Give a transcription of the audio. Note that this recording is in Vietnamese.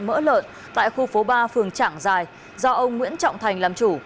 mỡ lợn tại khu phố ba phường trảng giài do ông nguyễn trọng thành làm chủ